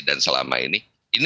dan selama ini